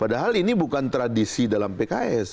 padahal ini bukan tradisi dalam pks